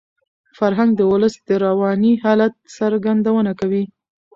فرهنګ د ولس د رواني حالت څرګندونه کوي.